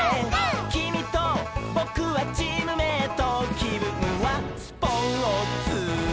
「きみとぼくはチームメイト」「きぶんはスポーツ」